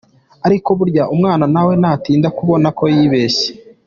Ariko burya umwana nawe ntatinda kubona ko yibeshye.